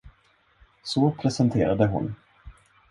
Så presenterade hon.